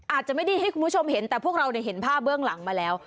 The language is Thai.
อาจจะไม่ได้ให้คุณผู้ชมเห็นแต่พวกเราเห็นภาพเบื้องหลังมาแล้ว